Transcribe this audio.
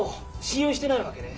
信用してないわけね？